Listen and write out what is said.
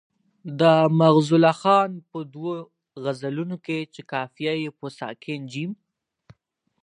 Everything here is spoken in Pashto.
د معزالله خان په دوو غزلونو کې چې قافیه یې په ساکن جیم.